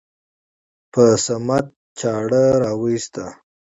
په صمد چاړه راوېسته.